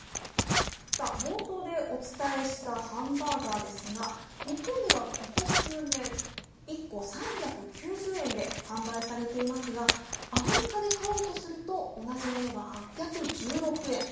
冒頭でお伝えしたハンバーガーですが、日本ではここ数年、１個３９０円で販売されていますがアメリカで買おうとすると同じものが８１６円。